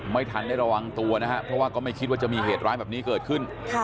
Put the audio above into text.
ไม่ทันได้ระวังตัวนะครับเพราะว่าก็ไม่คิดว่าจะมีเหตุร้ายแบบนี้เกิดขึ้น